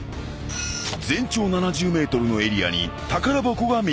［全長７０ｍのエリアに宝箱が３つ］